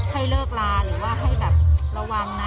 ให้เลิกลาหรือว่าให้แบบระวังนะ